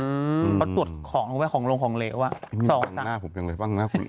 อืมเพราะตรวจของเขาไปของลงของเลวอ่ะสองหน้าผมจังเลยบ้างหน้าคุณ